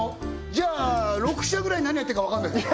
じゃあ６社ぐらい何やってるか分からないだろ？